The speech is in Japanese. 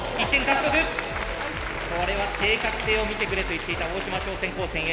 これは正確性を見てくれと言っていた大島商船高専Ａ